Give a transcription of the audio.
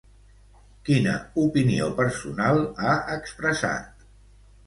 Quina opinió personal ha expressat?